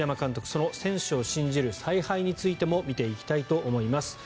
その選手を信じる采配についても見ていきたいと思います。